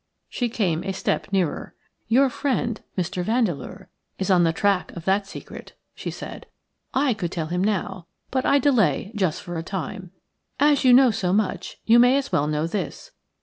She came a step nearer. "Your friend, Mr. Vandeleur, is on the track of that secret," she said. "I could tell him now, but I delay just for a time. As you know so much you may as well know this.